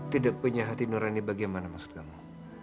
tidak punya hati nurani bagaimana maksud kamu